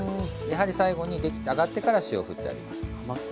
やはり最後に揚がってから塩をふってあります。